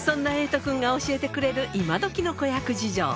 都君が教えてくれる今どきの子役事情